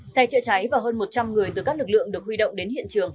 xe chữa cháy và hơn một trăm linh người từ các lực lượng được huy động đến hiện trường